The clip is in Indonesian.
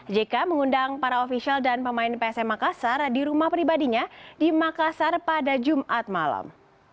jk mengundang para ofisial dan pemain psm makassar di rumah pribadinya di makassar pada jumat malam